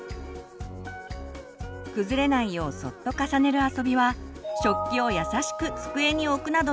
崩れないようそっと重ねる遊びは食器をやさしく机に置くなどの動作につながります。